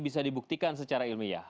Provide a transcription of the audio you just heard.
bisa dibuktikan secara ilmiah